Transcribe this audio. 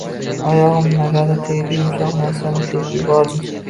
Oyog`im nimagadir tegdi, yumshoq narsani tepib yubordim